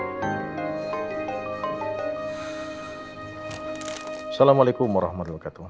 assalamualaikum warahmatullahi wabarakatuh